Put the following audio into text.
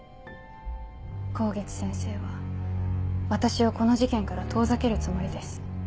香月先生は私をこの事件から遠ざけるつもりです。